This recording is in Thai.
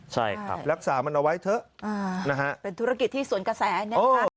ใช่ครับรักษามันเอาไว้เถอะนะฮะเป็นธุรกิจที่สวนกระแสนะคะ